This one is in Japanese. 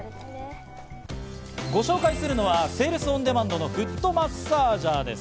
ご紹介するのはセールス・オンデマンドのフットマッサージャーです。